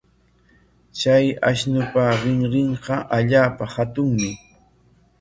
Chay ashnupa rinrinqa allaapa hatunmi.